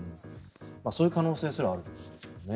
そういう可能性すらあるということですね。